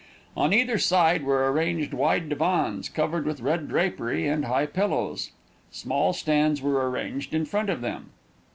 On either side were arranged wide divans, covered with red drapery and high pillows. Small stands were arranged in front of them.